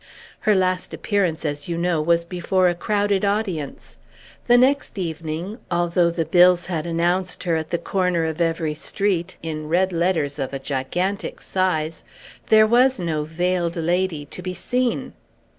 Her last appearance, as you know, was before a crowded audience. The next evening, although the bills had announced her, at the corner of every street, in red letters of a gigantic size, there was no Veiled Lady to be seen!